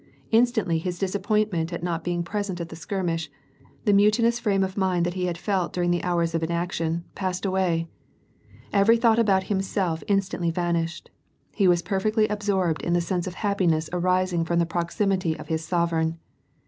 Instantly his disappointment at not being present at the skirmish, the mutinous frame of mind that he had felt during the hours of inaction, passed away ; every thought about himself in stantly vanished ; he was perfectly absorbed in the sense of happiness arising from the proximity of his sovereign